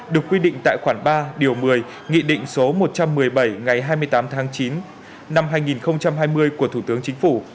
được quy định tại khoản ba điều một mươi nghị định số một trăm một mươi bảy ngày hai mươi tám tháng chín năm hai nghìn hai mươi của thủ tướng chính phủ